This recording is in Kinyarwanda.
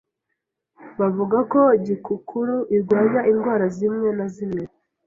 bavuga ko gikukuru irwanya indwara zimwe na zimwe